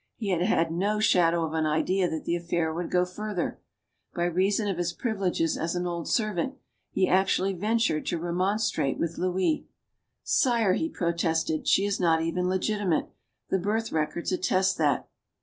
He had had no shadow of an idea that the affair would go further. By reason of his privileges as an old servant, he actually ventured to remonstrate with Louis. "Sire," he protested, "she is not even legitimate. The birth records attest that."